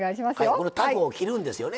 このたこを切るんですよね。